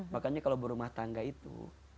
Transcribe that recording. makanya kalau berumah tangga itu